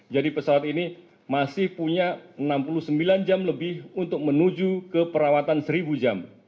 pesawat ini masih punya enam puluh sembilan jam lebih untuk menuju ke perawatan seribu jam